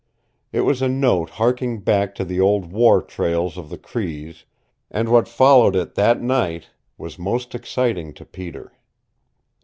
It was a note harking back to the old war trails of the Crees, and what followed it that night was most exciting to Peter.